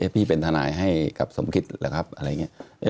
พี่เป็นทนายให้กับสมคิตหรือครับอะไรอย่างนี้